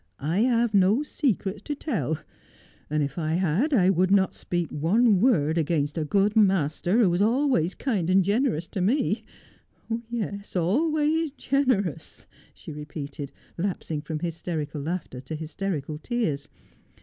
I have no secrets to tell, and if I had I would not speak one word against a good master, who was always kind and generous to me — yes, always generous,' she repeated, lapsing from hysterical laughter to hysterical tears.